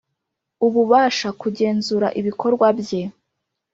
Ububasha kugenzura ibikorwa bye